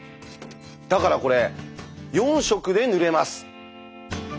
だからこれ４色で塗れます。